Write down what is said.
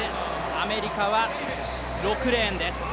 アメリカは６レーンです。